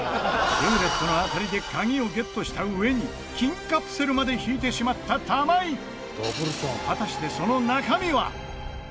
ルーレットの当たりで鍵をゲットしたうえに金カプセルまで引いてしまった玉井果たして、その中身は？